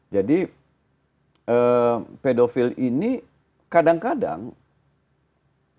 jadi pedofil ini kadang kadang mereka memilih lembaga lembaga pendidikan